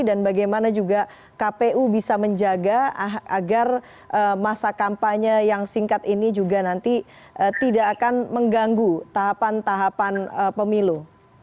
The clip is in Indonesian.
dan bagaimana juga kpu bisa menjaga agar masa kampanye yang singkat ini juga nanti tidak akan mengganggu tahapan tahapan pemilu